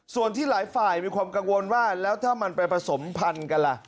ส่วนที่หลายฝ่ายมีความกังวลว่าแล้วถ้ามันไปผสมพันธุ์กันล่ะ